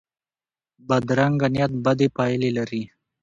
بدرنګه نیت بدې پایلې لري